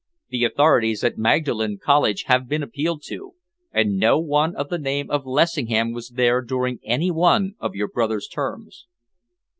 The authorities at Magdalen College have been appealed to, and no one of the name of Lessingham was there during any one of your brother's terms."